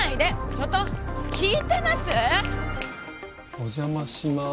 お邪魔します。